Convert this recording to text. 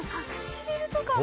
唇とかも。